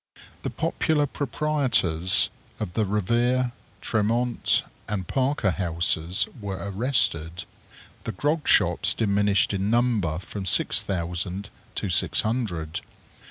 The popular proprietors of the Revere, Tremont, and Parker Houses were arrested. The grog shops diminished in number from six thousand to six hundred.